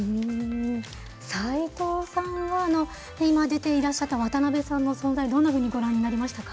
齊藤さんは今出ていらっしゃった渡邊さんの存在どんなふうにご覧になりましたか。